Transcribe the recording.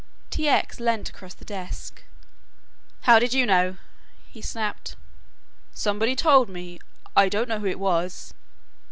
T. X. leant across the desk. "How did you know?" he snapped. "Somebody told me, I don't know who it was."